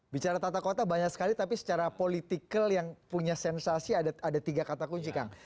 bicara tata kota banyak sekali tapi secara politikal yang punya sensasi ada tiga kata kunci kang